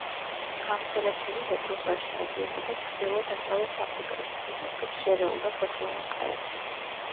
გავრცელებულია ევროპაში, აზიასა და ჩრდილო-დასავლეთ აფრიკაში, ბინადრობს შერეულ და ფოთლოვან ტყეებში.